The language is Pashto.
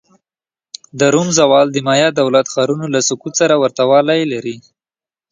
د روم زوال د مایا دولت ښارونو له سقوط سره ورته والی لري.